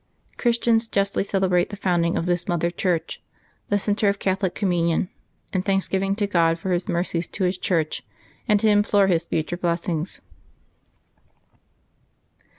Christians justly celebrate the founding of this mother church, the centre of Catholic communion, in thanksgiving to God for His mercies to His Church, and to implore His future blessings.